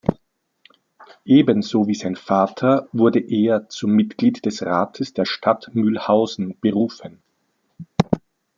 Ebenso wie sein Vater wurde er zum Mitglied des Rates der Stadt Mühlhausen berufen.